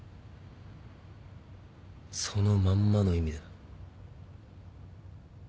そのまんまの意味だ。